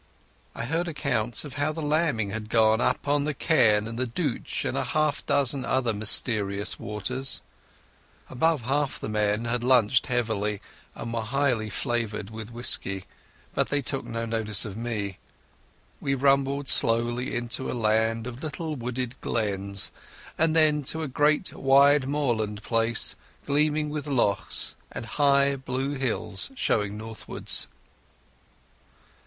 I heard accounts of how the lambing had gone up the Cairn and the Deuch and a dozen other mysterious waters. Above half the men had lunched heavily and were highly flavoured with whisky, so they took no notice of me. We rumbled slowly into a land of little wooded glens and then to a great wide moorland place, gleaming with lochs, with high blue hills showing northwards.